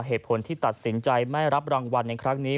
เหตุผลที่ตัดสินใจไม่รับรางวัลในครั้งนี้